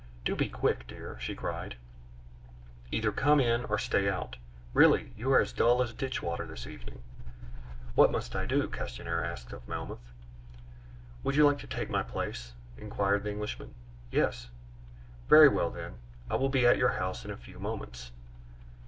"Do be quick, dear!" she cried; "either come in or stay out. Really, you are as dull as ditch water this evening " "What must I do?" Castanier asked of Melmoth. "Would you like to take my place?" inquired the Englishman. "Yes." "Very well, then; I will be at your house in a few moments."